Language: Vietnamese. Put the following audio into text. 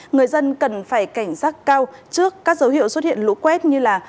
người dân cần phải cảnh giác cao trước các dấu hiệu xuất hiện lũ quét như là